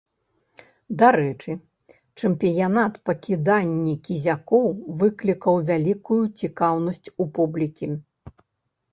Дарэчы, чэмпіянат па кіданні кізякоў выклікаў вялікую цікаўнасць у публікі.